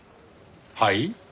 はい？